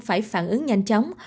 phải phản ứng nhanh chóng